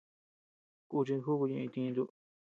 Kuchid júku ñeʼe itintu.